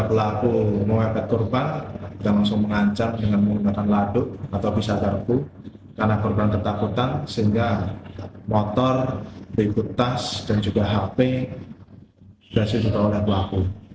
pelaku yang kaget rumahnya dikepung polisi tak berkutik dan langsung dibawa ke mobil petugas beserta barang bukti senjata tajam